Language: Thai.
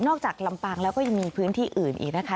จากลำปางแล้วก็ยังมีพื้นที่อื่นอีกนะคะ